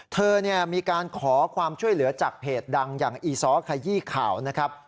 เธอมีการขอความช่วยเหลือจากเพจดังอย่างอีซ้อขยี้ข่าวนะครับ